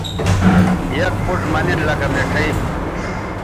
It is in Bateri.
یک پوڇ مہ نن لکہ مٹھائ